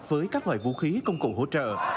với các loại vũ khí công cụ hỗ trợ